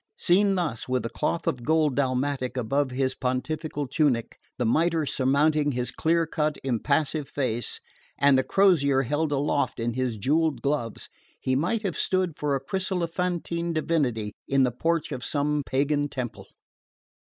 Seen thus, with the cloth of gold dalmatic above his pontifical tunic, the mitre surmounting his clear cut impassive face, and the crozier held aloft in his jewelled gloves, he might have stood for a chryselephantine divinity in the porch of some pagan temple.